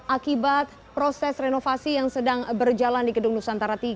akibat proses renovasi yang sedang berjalan di gedung nusantara tiga